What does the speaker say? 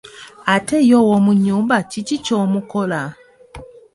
Ate ye ow'omu nyumba kiki ky'otomukola?